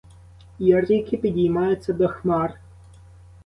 І ріки підіймаються до хмар.